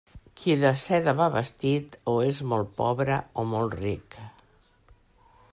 Qui de seda va vestit, o és molt pobre o molt ric.